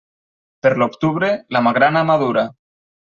Per l'octubre, la magrana madura.